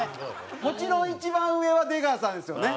もちろん一番上は出川さんですよね？